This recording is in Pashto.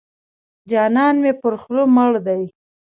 جانان مې پر خوله مړ دی.